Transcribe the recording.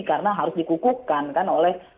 karena harus dikukukan kan oleh